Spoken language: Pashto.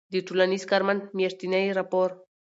د ټـولنیـز کارمنــد میاشتنی راپــور